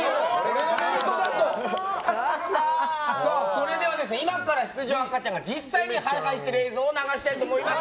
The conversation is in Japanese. それでは今から出場する赤ちゃんが実際にハイハイしている映像を流したいと思います。